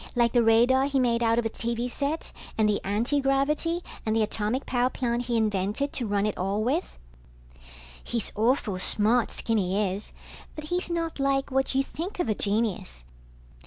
Like the radar he made out of a TV set and the antigravity and the atomic power plant he invented to run it all with. He's awful smart, Skinny is, but he's not like what you think of a genius.